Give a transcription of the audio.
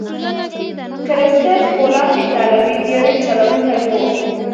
کرستف کولمب ایتالوي بیړۍ چلوونکی وو.